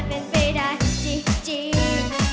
เป็นไปได้จริง